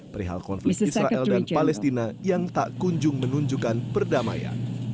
perihal konflik israel dan palestina yang tak kunjung menunjukkan perdamaian